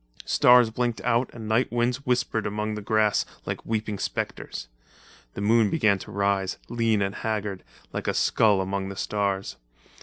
Stars blinked out and night winds whispered among the grass like weeping spectres. The moon began to rise, lean and haggard, like a skull among the stars.